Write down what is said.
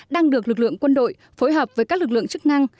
đang được lực lượng quân đội phối hợp với các lực lượng chức năng